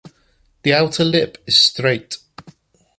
The outer lip is straight.